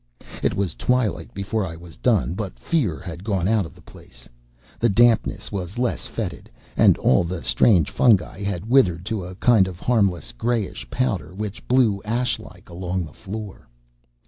It was twilight before I was done, but fear had gone out of the place. The dampness was less fetid, and all the strange fungi had withered to a kind of harmless grayish powder which blew ash like along the floor.